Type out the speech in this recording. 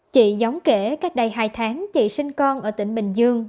chị giống kể cách đây hai tháng chị sinh con ở tỉnh bình dương